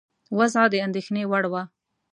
وضع د اندېښنې وړ وه.